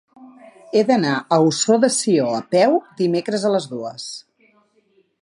He d'anar a Ossó de Sió a peu dimecres a les dues.